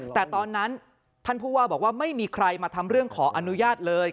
แต่ตอนนั้นท่านผู้ว่าบอกว่าไม่มีใครมาทำเรื่องขออนุญาตเลย